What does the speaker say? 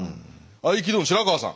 合気道の白川さん